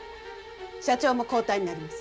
社長も交代になります。